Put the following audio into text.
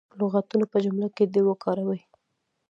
لغتونه په جملو کې دې وکاروي.